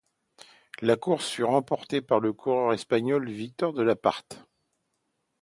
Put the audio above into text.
La course fut remportée par le coureur espagnol Víctor de la Parte.